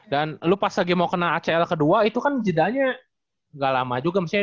dan lo pas lagi mau kena acl kedua itu kan jedanya gak lama juga ya dua tahun